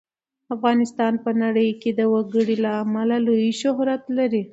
افغانستان په نړۍ کې د وګړي له امله لوی شهرت لري.